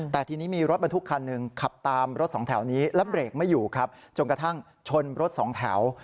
แต่ทีนี้มีรถบรรทุกคันหนึ่งขับตามรถสองแถวนี้และเบรกไม่อยู่ครับจนกระทั่งชนรถสองแถว